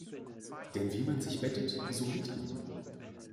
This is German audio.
Denn wie man sich bettet, so liegt man.